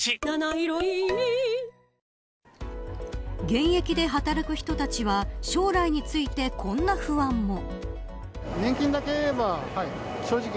現役で働く人たちは将来についてこんな不安も。